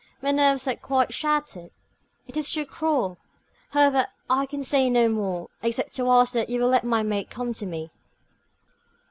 My nerves are quite shattered. It is too cruel. However, I can say no more, except to ask that you will let my maid come to me."